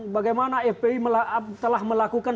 bagaimana fpi telah melakukan